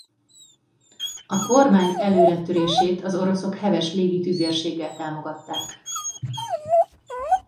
A kormány előretörését az oroszok heves légi tüzérséggel támogatták.